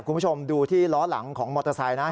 คุณผู้ชมดูที่ล้อหลังของมอเตอร์ไซค์นะ